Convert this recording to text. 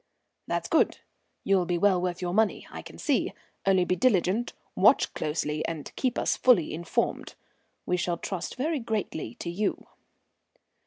"That's good. You'll be well worth your money, I can see. Only be diligent, watch closely, and keep us fully informed. We shall trust very greatly to you."